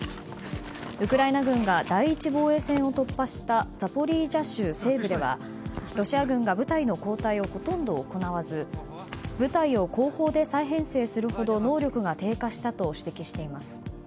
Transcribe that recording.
ウクライナ軍が第一防衛線を突破したザポリージャ州西部ではロシア軍が部隊の交代をほとんど行わず部隊を後方で再編成するほど能力が低下したと指摘しています。